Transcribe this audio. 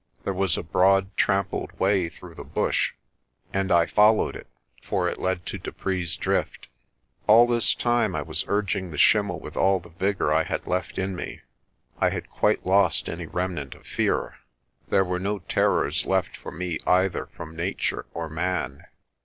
There was a broad, trampled way through the bush and I followed it, for it led to Dupree's Drift. All this time I was urging the schimmel with all the vigour I had left in me. I had quite lost any remnant of fear. There were no terrors left for me either from Nature or man.